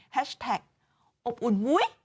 แฮชไทกข์อบอุ่นหมุ้ย